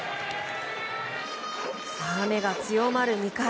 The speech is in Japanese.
雨が強まる２回。